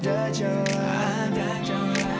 asalkan kita berani